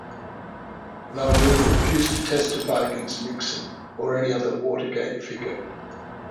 LaRue refused to testify against Nixon or any other Watergate figure.